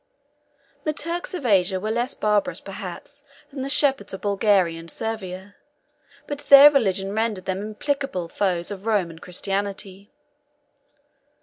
The Turks of Asia were less barbarous perhaps than the shepherds of Bulgaria and Servia; but their religion rendered them implacable foes of Rome and Christianity.